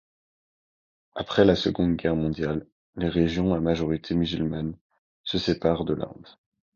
Après la Seconde Guerre mondiale, les régions à majorité musulmane se séparent de l'Inde.